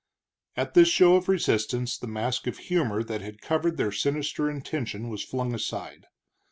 At this show of resistance the mask of humor that had covered their sinister intention was flung aside.